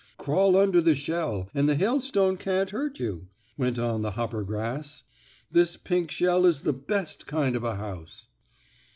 "Crawl under the shell, and the hailstone can't hurt you!" went on the hoppergrass. "This pink shell is the best kind of a house."